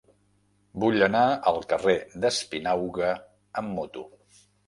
Vull anar al carrer d'Espinauga amb moto.